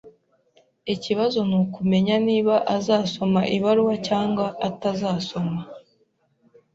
Ikibazo nukumenya niba azasoma ibaruwa cyangwa atazasoma